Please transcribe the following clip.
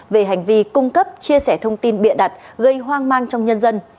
về hành vi cung cấp chia sẻ thông tin bịa đặt gây hoang mang trong nhân dân